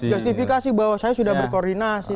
justifikasi bahwa saya sudah berkoordinasi